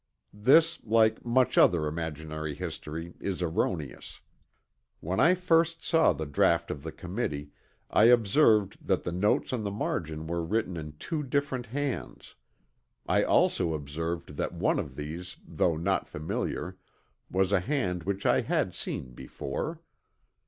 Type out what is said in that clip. This like much other imaginary history is erroneous. When I first saw the draught of the committee, I observed that the notes on the margin were written in two different hands. I also observed that one of these though not familiar was a hand which I had seen before.